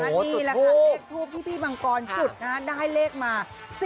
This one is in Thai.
ตรงนี้แหละค่ะลีกทูปที่พี่มังกรจุดนะฮะได้เลขมา๔๕๕